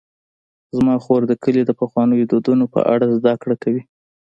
زما خور د کلي د پخوانیو دودونو په اړه زدهکړه کوي.